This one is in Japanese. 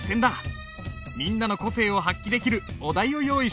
みんなの個性を発揮できるお題を用意したぞ。